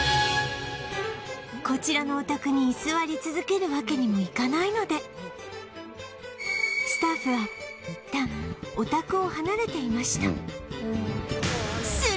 こちらのお宅に居座り続けるわけにもいかないのでスタッフはいったんお宅を離れていました